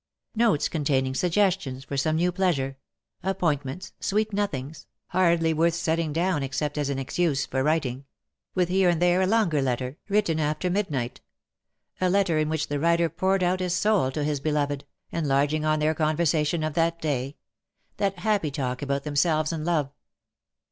Notes containing suggestions for some new pleasure — appointments — sweet nothings, hardly worth setting down except as an excuse for writing — with here and there a longer letter, written after 266 LE SECRET DE POLICHINELLE. midniglit; a letter in which the writer poured out his soul to his beloved; enlarging on their conversation of the day — that happy talk about themselves and love.